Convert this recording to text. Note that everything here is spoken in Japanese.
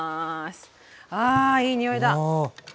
あいい匂いだ。